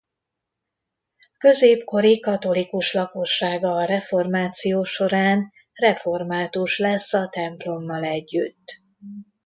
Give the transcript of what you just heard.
Középkori katolikus lakossága a reformáció során református lesz a templommal együtt.